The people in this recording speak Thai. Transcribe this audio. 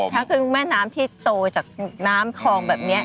ทั้งแม่น้ำที่โตจากน้ำคลองแบบนี้